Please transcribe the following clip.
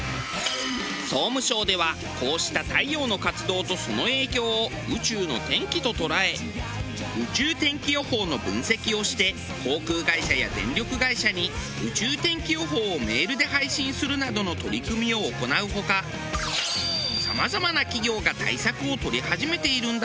総務省ではこうした太陽の活動とその影響を「宇宙の天気」と捉え宇宙天気予報の分析をして航空会社や電力会社に宇宙天気予報をメールで配信するなどの取り組みを行うほかさまざまな企業が対策を取り始めているんだそう。